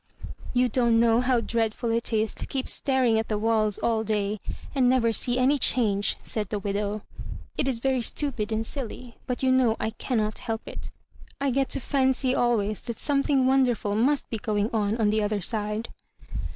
" You don't know how dreadful it is to keep staring at the walls all day and never see any change," said the widaw. "It is very jstupid and silly, but you know I cannothelp it. I get to fancy always that something wonderful must be going on on the other side."